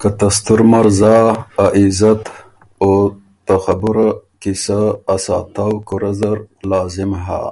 که ته ستُر مرزا ا عزت او ته خبُره قیصۀ ا ساتؤ وه کوُرۀ زر لازم هۀ۔